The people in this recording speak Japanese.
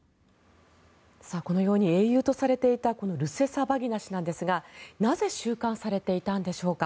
このように英雄とされていたルセサバギナ氏なんですがなぜ収監されていたんでしょうか。